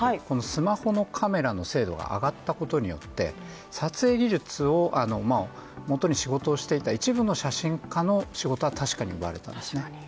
スマホのカメラの精度が上がったことによって撮影技術をもとに仕事をしていた一部の写真家の仕事は確かに奪われたんですね。